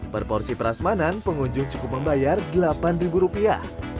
per porsi perasmanan pengunjung cukup membayar delapan rupiah